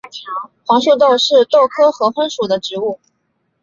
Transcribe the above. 黄豆树是豆科合欢属的植物。